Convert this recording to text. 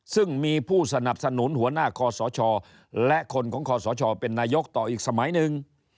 ซึ่งมีผู้สนับสนุนหัวหน้าคอสชและคนของคอสชเป็นนายกต่ออีกสมัยหนึ่ง